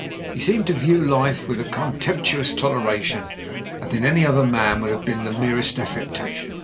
He seemed to view life with a con temptuous toleration that in any other man would have been the merest affectation.